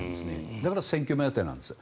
だから、選挙目当てなんです。